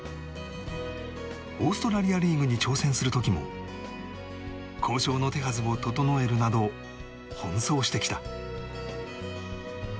オーストラリアリーグに挑戦する時も交渉の手はずを整えるなど奔走してきた。